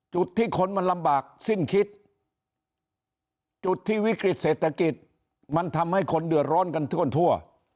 จุดที่คนมันลำบากสิ้นคิดจุดที่วิกฤตเศรษฐกิจมันทำให้คนเดือดร้อนกันทั่ว